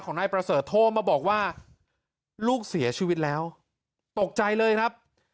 นายประเสริฐโทรมาบอกว่าลูกเสียชีวิตแล้วตกใจเลยครับ